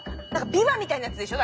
琵琶みたいなやつでしょ。